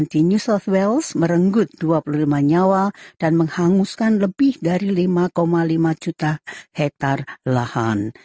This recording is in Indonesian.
tidak berhubungan dengan perjalanan